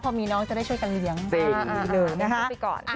เพราะมีน้องจะได้ช่วยกันเลี้ยงนะคะสิ่งนี้เลยนะคะสักปีก่อน